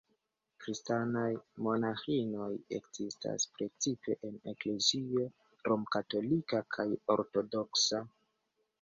Kristanaj monaĥinoj ekzistas precipe en eklezio romkatolika kaj ortodoksa.